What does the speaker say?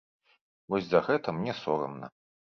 Вось за гэта мне сорамна.